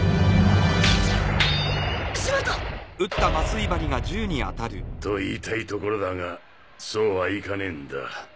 しまった！と言いたいところだがそうはいかねぇんだ。